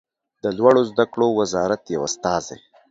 د لوړو زده کړو وزارت یو استازی